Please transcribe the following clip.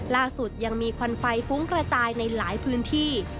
ล่าสุดยังมีควันไฟฟุ้งกระจายในหลายพื้นที่